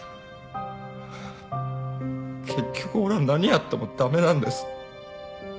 結局俺は何やっても駄目なんです。